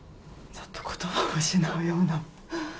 ちょっと言葉を失うような。